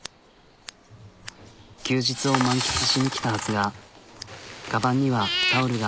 休日を漫喫しにきたはずがかばんにはタオルが。